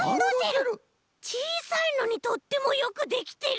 ちいさいのにとってもよくできてる！